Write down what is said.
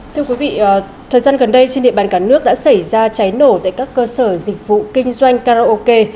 thưa quý vị thời gian gần đây trên địa bàn cả nước đã xảy ra cháy nổ tại các cơ sở dịch vụ kinh doanh karaoke